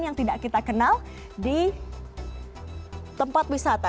yang tidak kita kenal di tempat wisata